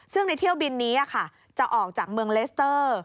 ซึ่งในเที่ยวบินนี้จะออกจากเมืองเลสเตอร์